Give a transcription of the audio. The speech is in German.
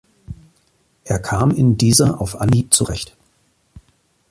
Er kam in dieser auf Anhieb zurecht.